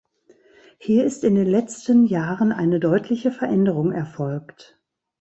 Hier ist in den letzten Jahren eine deutliche Veränderung erfolgt.